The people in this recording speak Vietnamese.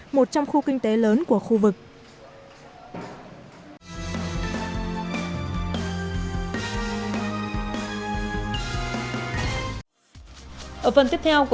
một trong khu kinh tế lớn của khu vực